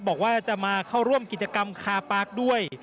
บอกว่าจะมาเข้าร่วมกิจกรรมคาปาร์คด้วย